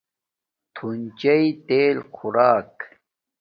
تُھو چیݵ تیل خوراک